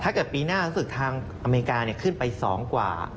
ถ้าเกิดปีหน้ารู้สึกทางอเมริกาเนี่ยขึ้นไป๒กว่า